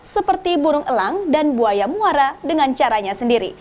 seperti burung elang dan buaya muara dengan caranya sendiri